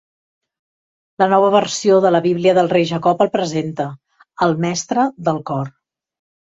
La Nova Versió de la Bíblia del Rei Jacob el presenta: al mestre del cor.